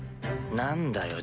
何だよ